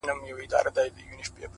تېره جنازه سوله اوس ورا ته مخامخ يمه،